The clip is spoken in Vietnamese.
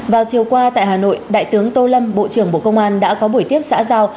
vào chiều qua tại hà nội đại tướng tô lâm bộ trưởng bộ công an đã có buổi tiếp xã giao